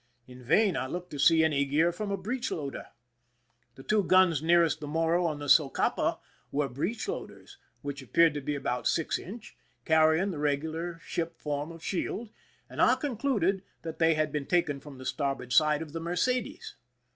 In vain I looked to see any gear from a breech loader. The two guns nearest the Morro on the Socapa were breech loaders, which appeared to be about six inch, carrying the regular ship form of shield ; and I concluded that they had been taken from the starboard side of the Mercedes.